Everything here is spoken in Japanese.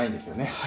はい。